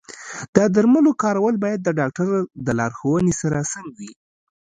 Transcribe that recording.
د درملو کارول باید د ډاکټر د لارښوونې سره سم وي.